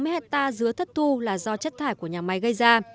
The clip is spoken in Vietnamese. một trăm sáu mươi hecta dứa thất thu là do chất thải của nhà máy gây ra